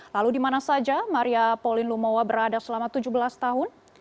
lalu di mana saja maria pauline lumowa berada selama tujuh belas tahun